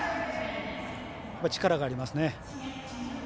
力がありますね。